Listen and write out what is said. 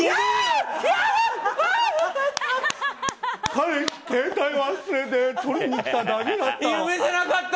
彼氏、携帯忘れて取りに来ただけだった。